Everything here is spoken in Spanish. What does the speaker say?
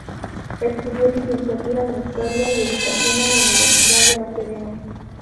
Estudió Licenciatura en Historia y Educación en la Universidad de La Serena.